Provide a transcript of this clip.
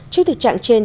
trước thực trạng trên